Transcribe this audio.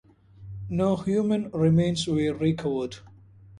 No human remains were recovered.